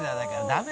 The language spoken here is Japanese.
「ダメ。